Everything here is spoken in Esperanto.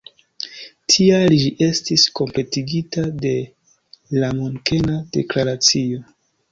Tial ĝi estis kompletigita de la Munkena Deklaracio.